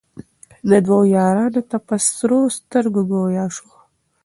دوو یارانو ته په سرو سترګو ګویا سو